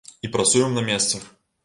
І працуем на месцах.